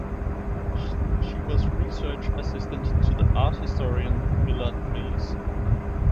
She was research assistant to the art historian Millard Meiss.